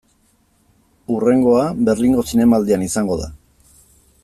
Hurrengoa, Berlingo Zinemaldian izango da.